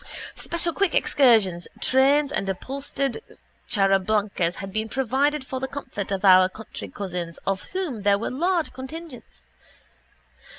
Special quick excursion trains and upholstered charabancs had been provided for the comfort of our country cousins of whom there were large contingents.